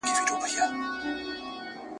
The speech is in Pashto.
چیغه به سو، دار به سو، منصور به سو، رسوا به سو ..